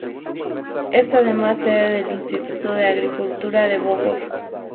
Es además sede del Instituto de Agricultura de Bogor.